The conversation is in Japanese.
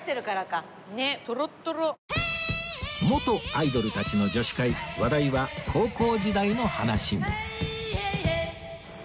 元アイドルたちの女子会話題は高校時代の話に